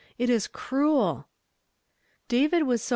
It is cruel !" ''David^was so.